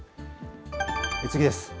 次です。